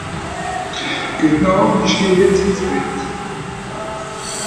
Gutnacht isch geh jetzt ins Bett